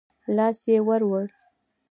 لاس يې ورووړ.